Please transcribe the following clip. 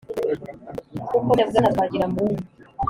Mukomere Bwana Twagiramungu,